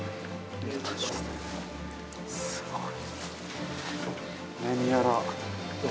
すごい。